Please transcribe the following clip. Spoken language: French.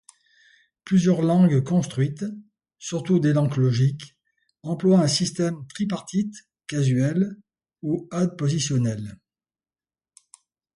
Plusieurs langues construites, surtout des langues logiques, emploient un système tripartite casuel ou adpositionnel.